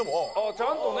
ちゃんとね。